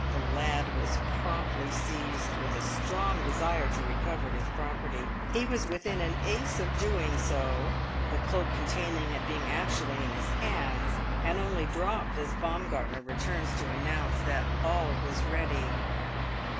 The lad was promptly seized with a strong desire to recover his property; he was within an ace of doing so, the cloak containing it being actually in his hands and only dropped as Baumgartner returned to announce that all was ready.